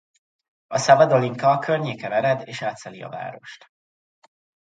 A Sava Dolinka a környéken ered és átszeli a várost.